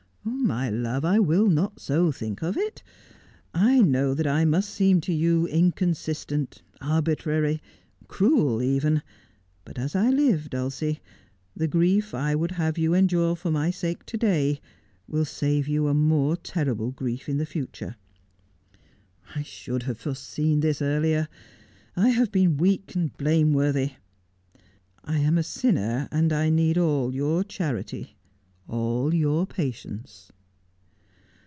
'My love, I will not so think of it. I know that I must seem to you inconsistent, arbitrary, cruel even. But, as I live, Dulcie, the grief I would have you endure for my sake to day, will save you a more terrible grief in the future. I should have foreseen this earlier. I have been weak, blameworthy. I am a sinner, and I need all your charity, all your patience.'